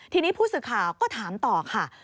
ทีนี้ผู้สื่อข่าวก็ถามต่อค่ะ